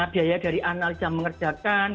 biaya dari analisa mengerjakan